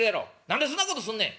何でそんなことすんねん。